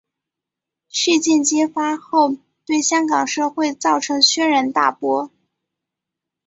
事件揭发后对香港社会造成轩然大波。